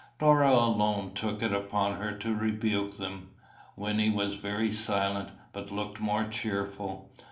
Dora alone took it upon her to rebuke them. Wynnie was very silent, but looked more cheerful.